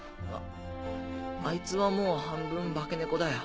ああいつはもう半分化け猫だよ。